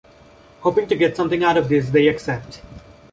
Hoping to get something out of this, they accept.